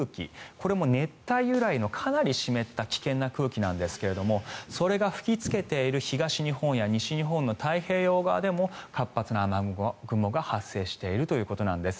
これも熱帯由来のかなり湿った危険な空気なんですけれどもそれが吹きつけている東日本や西日本の太平洋側でも活発な雨雲が発生しているということなんです。